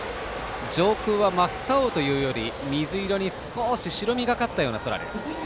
上空は真っ青というより水色に少し白みがかった空です。